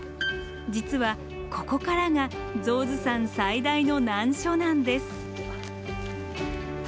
実はここからが象頭山最大の難所なんです。